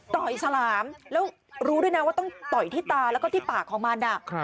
ต่อยฉลามแล้วรู้ด้วยนะว่าต้องต่อยที่ตาแล้วก็ที่ปากของมัน